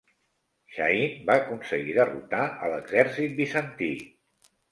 Shahin va aconseguir derrotar a l'exèrcit bizantí.